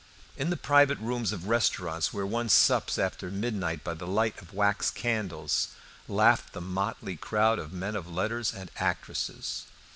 In the private rooms of restaurants, where one sups after midnight by the light of wax candles, laughed the motley crowd of men of letters and actresses.